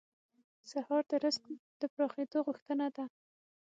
سهار د رزق د پراخېدو غوښتنه ده.